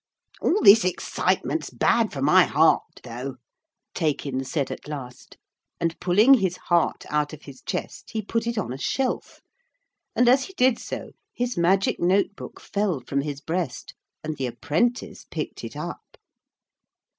'All this excitement's bad for my heart, though,' Taykin said at last, and pulling his heart out of his chest, he put it on a shelf, and as he did so his magic note book fell from his breast and the apprentice picked it up.